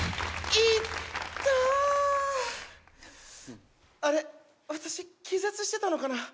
痛っあれ私気絶してたのかな？